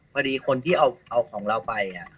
พอดีคนที่เอาของเราไป